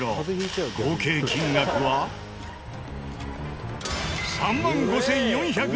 合計金額は３万５４２０円。